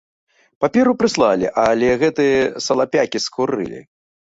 Паперу прыслалі, але гэтыя салапякі скурылі.